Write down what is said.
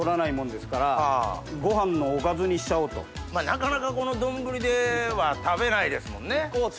なかなか丼では食べないですもんね。